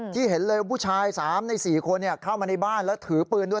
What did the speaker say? ที่เห็นเลยว่าผู้ชาย๓ใน๔คนเข้ามาในบ้านแล้วถือปืนด้วย